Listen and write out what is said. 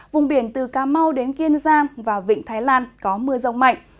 vùng biển từ cà mau đến kiên giang và vịnh thái lan có mưa rông mạnh